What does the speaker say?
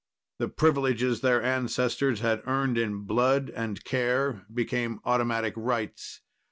The privileges their ancestors had earned in blood and care became automatic rights.